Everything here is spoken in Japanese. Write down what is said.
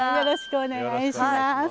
よろしくお願いします。